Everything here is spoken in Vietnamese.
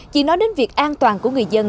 chỉ nói đến việc an toàn của người dân